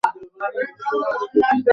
এছাড়া তাদের দুইটি সন্তান ছিলো।